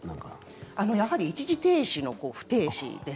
やはり一時停止の不停止。